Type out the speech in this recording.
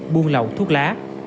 buôn lậu thuốc lá